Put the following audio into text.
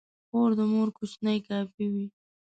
خور د مور کوچنۍ کاپي وي.